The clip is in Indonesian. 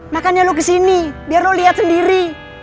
makanya lo kesini biar lo lihat sendiri